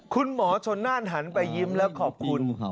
คุณหมอชนน่านหันไปยิ้มแล้วขอบคุณ